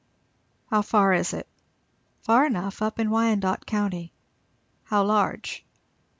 "How far is it?" "Far enough up in Wyandot County." "How large?"